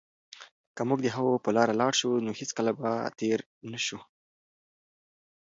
که موږ د هغوی په لاره لاړ شو، نو هېڅکله به تېرو نه شو.